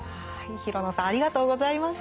廣野さんありがとうございました。